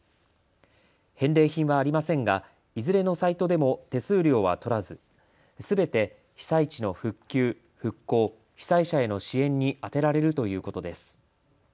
返礼品はありませんがいずれのサイトでも手数料は取らず、すべて被災地の復旧・復興、被災者への支援に充てられるということです。